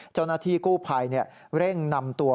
เจ้าหน้าที่กู้ภัยเร่งนำตัว